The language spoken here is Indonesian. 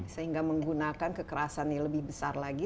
sehingga menggunakan kekerasan yang lebih besar lagi